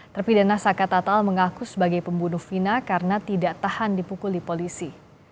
terpidana saka tatal mengaku sebagai pembunuh vina karena tidak tahan dipukuli polisi